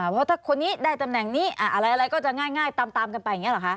เพราะถ้าคนนี้ได้ตำแหน่งนี้อะไรก็จะง่ายตามกันไปอย่างนี้หรอคะ